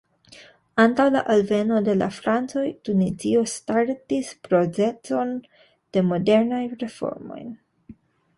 Antaŭ la alveno de la francoj, Tunizio startis procezon de modernaj reformoj.